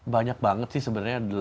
banyak banget sih sebenarnya